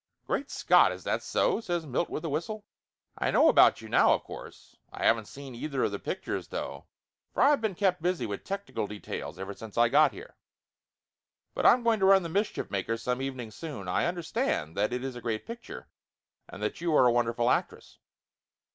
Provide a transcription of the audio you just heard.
"Great Scott, is that so?" says Milt with a whistle. "I know about you now, of course! I haven't seen either of the pictures, though, for I've been kept busy with technical details ever since I got here. But I'm going to run The Mischief Makers some evening soon. I understand that it is a great picture, and that you are a wonderful actress."